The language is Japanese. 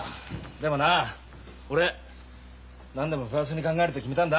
でもな俺何でもプラスに考えると決めたんだ。